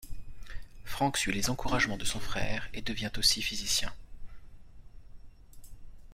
Frank suit les encouragements de son frère et devient aussi physicien.